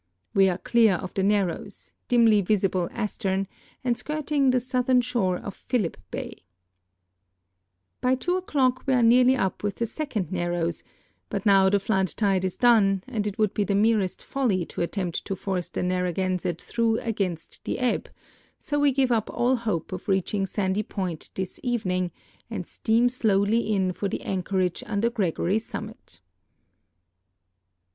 We are clear of the narrows, dimly visible astern, and skirting the southern shore of Philip 134 WINTER VOYAGE THROUGH STRAITS OF MAGELLAN bay. By 2 o'clock we are nearly up with the second narrows, but now the flood tide is done, and it would be the merest folly to attempt to force the Narragansett through against the ebb, so we give up all hope of reaching Sandy Point this evening, and steam slowly in for the anchorage under Gregory Summit.